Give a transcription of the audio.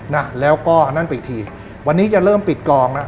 น่ะแล้วก็นั่นปิดทีวันนี้จะเริ่มปิดกองน่ะ